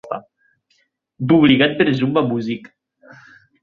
Publicat per Zomba Music.